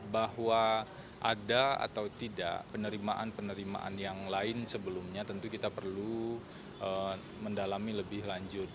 bahwa ada atau tidak penerimaan penerimaan yang lain sebelumnya tentu kita perlu mendalami lebih lanjut